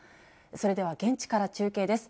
それでは現地から中継です。